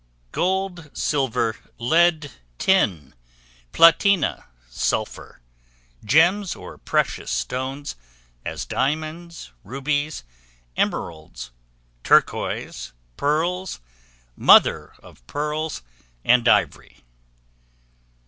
GOLD, SILVER, LEAD, TIN, PLATINA, SULPHUR, GEMS OR PRECIOUS STONES, AS DIAMONDS, RUBIES, EMERALDS, TURQUOIS, PEARLS, MOTHER OR PEARLS, AND IVORY.